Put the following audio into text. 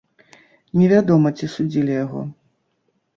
Невядома, ці судзілі яго.